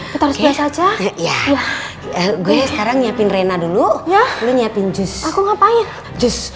kita harus biasa aja ya gue sekarang nyiapin rena dulu ya lu nyiapin jus aku ngapain jus